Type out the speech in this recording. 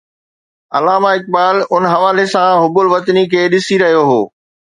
علامه اقبال ان حوالي سان حب الوطني کي ڏسي رهيو هو.